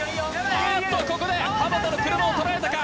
おっとここで田の車をとらえたか？